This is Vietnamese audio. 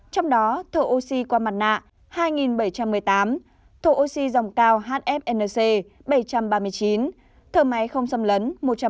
trong đó thở oxy qua mặt nạ hai bảy trăm một mươi tám thở oxy dòng cao hfnc bảy trăm ba mươi chín thở máy không xâm lấn một trăm một mươi hai